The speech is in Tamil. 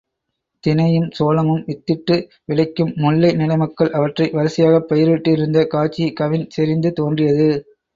தினையும் சோளமும் வித்திட்டு விளைக்கும் முல்லை நிலமக்கள் அவற்றை வரிசையாகப் பயிரிட்டிருந்த காட்சி கவின் செறிந்து தோன்றியது.